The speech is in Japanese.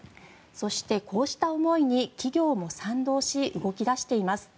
そして、こうした思いに企業も賛同し動き出しています。